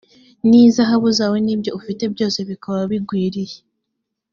n izahabu zawe n ibyo ufite byose bikaba bigwiriye